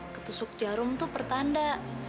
ketusuk jarum itu pertanda